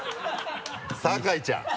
酒井ちゃん。